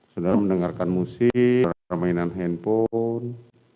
saudara mendengarkan musik saudara mainan handphone